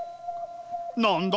何だ？